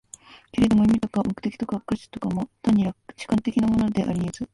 けれども意味とか目的とか価値とかも、単に主観的なものであり得ず、